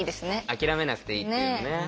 諦めなくていいっていうのね。